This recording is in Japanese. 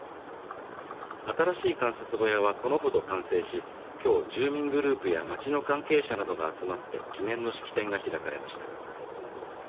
新しい観察小屋はこのほど完成しきょう、住民グループや町の関係者などが集まって記念の式典が開かれました。